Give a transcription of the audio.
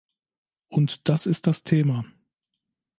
Und das ist das Thema.